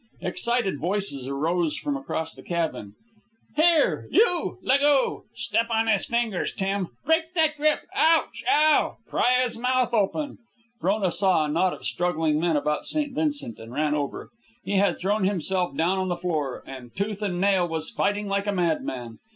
Excited voices arose from across the cabin. "Here, you! Leggo!" "Step on his fingers, Tim!" "Break that grip!" "Ouch! Ow!" "Pry his mouth open!" Frona saw a knot of struggling men about St. Vincent, and ran over. He had thrown himself down on the floor and, tooth and nail, was fighting like a madman.